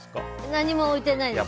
何も置いてないです。